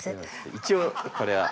一応これは。